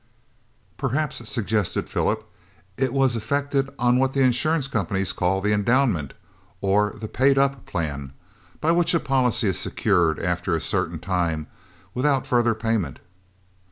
"Perhaps," suggested Philip, "it was effected on what the insurance companies call the 'endowment,' or the 'paid up' plan, by which a policy is secured after a certain time without further payment."